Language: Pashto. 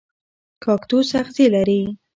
کاکتوس اغزي لري